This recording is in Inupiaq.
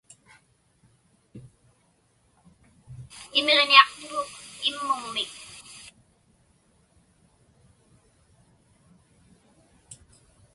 Imiġniaqtuguk immuŋmik.